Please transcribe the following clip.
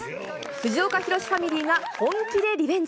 藤岡弘、ファミリーが本気でリベンジ。